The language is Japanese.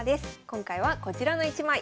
今回はこちらの一枚。